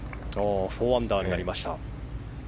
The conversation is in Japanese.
４アンダーになりました。